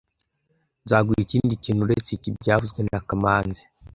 Nzaguha ikindi kintu uretse iki byavuzwe na kamanzi